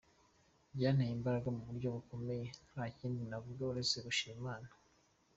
Byanteye imbaraga mu buryo bukomeye, nta kindi navuga uretse gushima Imana.